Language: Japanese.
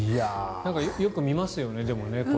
なんかよく見ますよね。